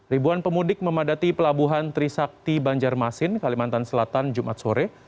ribuan pemudik memadati pelabuhan trisakti banjarmasin kalimantan selatan jumat sore